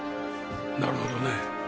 なるほどね。